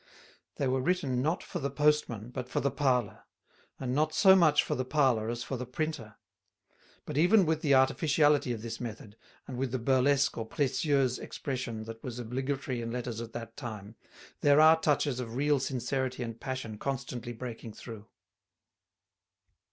They were written not for the postman, but for the parlor; and not so much for the parlor as for the printer. But even with the artificiality of this method, and with the burlesque or précieuse expression that was obligatory in Letters at that time, there are touches of real sincerity and passion constantly breaking through.